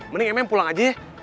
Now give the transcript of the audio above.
mending emen pulang aja ya